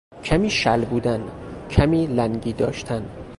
کمی شل بودن، کمی لنگی داشتن